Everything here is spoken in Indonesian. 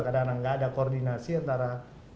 kadang kadang nggak ada koordinasi antara